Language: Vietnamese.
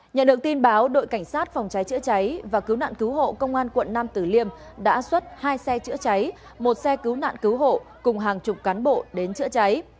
nhận được tin báo đội cảnh sát phòng cháy chữa cháy và cứu nạn cứu hộ công an quận nam tử liêm đã xuất hai xe chữa cháy một xe cứu nạn cứu hộ cùng hàng chục cán bộ đến chữa cháy